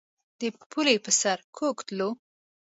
د پولې پر سر کوږ تلو.